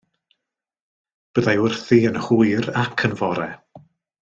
Byddai wrthi yn hwyr ac yn fore.